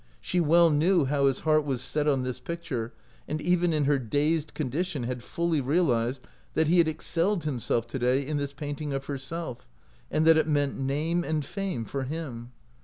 She well knew how his heart was set on this picture, and even in her dazed condition had fully realized that he had ex celled himself to day in this painting of her self, and that it meant name and fame for him.